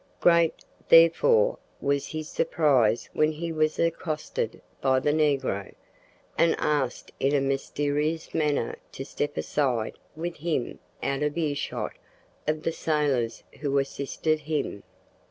Great, therefore, was his surprise when he was accosted by the negro, and asked in a mysterious manner to step aside with him out of ear shot of the sailors who assisted him.